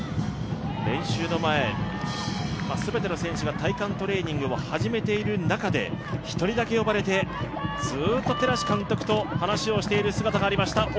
練習の前、全ての選手が体幹トレーニングを始めている中で一人だけ呼ばれてずっと寺師監督と話をしている姿がありました。